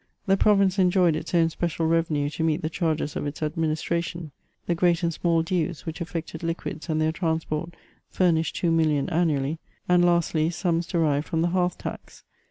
The province enjoyed its own special revenue to meet the charges of its administration ; the great and small dues, which affected liquids and their transport, furnished 2,000,000 annually; and, lastly, sums derived from the hearth'tax.